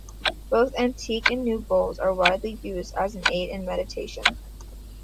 Both antique and new bowls are widely used as an aid to meditation.